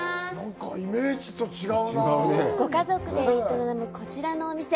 ご家族で営むこちらのお店。